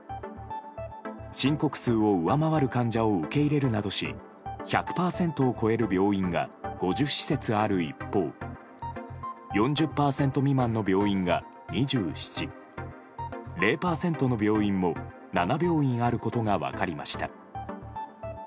申告数を上回る患者を受け入れるなどし１００％を超える病院が５０施設ある一方４０％未満の病院が２７０％の病院も７病院あることが分かりました。